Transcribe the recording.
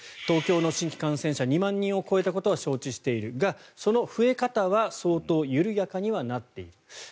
東京の新規感染者が２万人を超えたことは承知しているがその増え方は相当緩やかにはなっている。